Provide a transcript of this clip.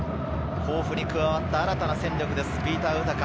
甲府に加わった新たな戦力です、ウタカ。